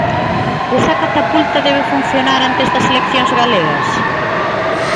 Esa catapulta debe funcionar antes das eleccións galegas?